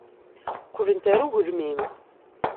Qqlent ɣer ugelmim.